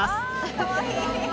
かわいい。